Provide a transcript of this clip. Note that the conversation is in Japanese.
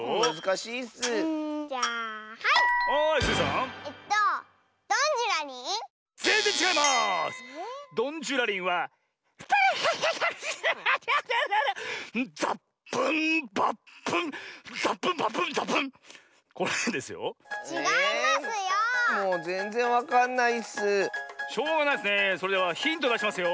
しょうがないですね。